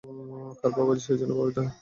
কার প্রভাবে সে যেন প্রভাবিত।